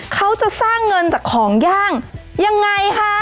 เขาจะสร้างเงินจากของย่างยังไงคะ